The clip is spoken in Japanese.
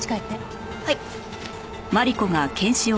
はい。